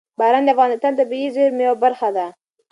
باران د افغانستان د طبیعي زیرمو یوه برخه ده.